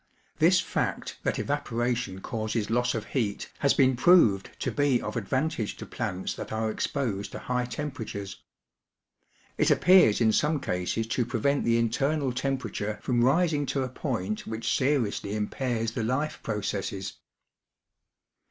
This fact that evaporation causes loss of heat has been proved to be of advantage to plants that are exposed to high temperatures. It appears in some cases to prevent the internal temperature from rising to a point which seriously impairs the life processes.